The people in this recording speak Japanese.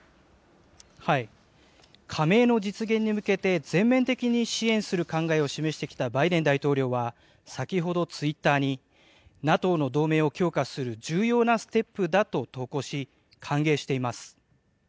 加盟の実現に向けて、全面的に支援する考えを示してきたバイデン大統領は、先ほどツイッターに、ＮＡＴＯの同盟を強化する重要なステップだと投稿し、歓迎しています。